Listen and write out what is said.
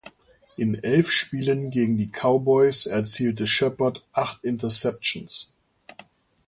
In elf Spielen gegen die Cowboys erzielte Sheppard acht Interceptions.